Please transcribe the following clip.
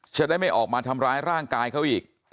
จะได้ไม่ออกมาทำร้ายร่างกายเขาอีก